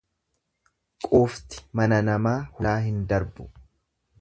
Quufti mana namaa hulaa hin darbu.